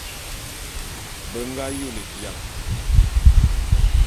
Be nga yôle bian.